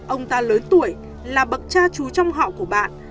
ông ta lớn tuổi là bậc cha chú trong họ của bạn